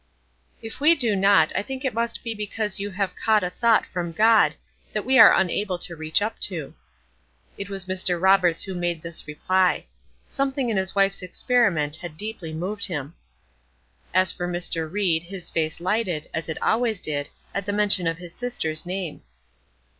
"If we do not, I think it must be because you have caught a thought from God, that we are not able to reach up to." It was Mr. Roberts who made this reply. Something in his wife's experiment had deeply moved him. As for Mr. Ried, his face lighted, as it always did, at the mention of his sister's name.